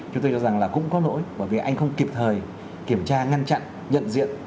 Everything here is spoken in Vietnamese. chúng tôi cho rằng là cũng có lỗi bởi vì anh không kịp thời kiểm tra ngăn chặn nhận diện